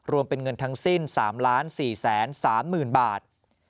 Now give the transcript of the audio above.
รวมเป็นเงินทั้งสิ้น๓๔๓๐๐๐บาท